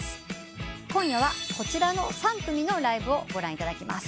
今夜はこちらの３組のライブをご覧いただきます。